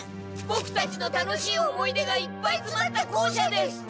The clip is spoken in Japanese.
ボクたちの楽しい思い出がいっぱいつまった校舎です！